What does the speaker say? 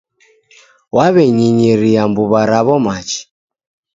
W'aw'enyinyiria mbuw'a raw'o machi.